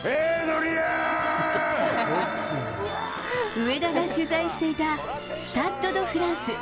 上田が取材していた、スタッド・ド・フランス。